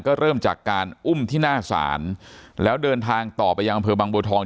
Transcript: ก็เริ่มจากการอุ้มที่หน้าศาลแล้วเดินทางต่อไปยังอำเภอบางบัวทอง